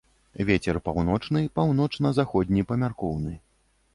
Вецер паўночны, паўночна-заходні памяркоўны.